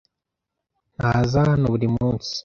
ntaza hano buri munsi.